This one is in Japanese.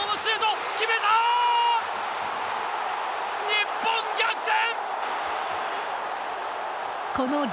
日本、逆転！